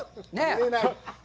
見えない。